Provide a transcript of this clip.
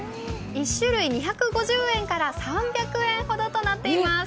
１種類２５０円から３００円ほどとなっています。